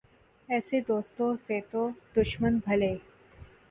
ایسے دوستو سے تو دشمن بھلے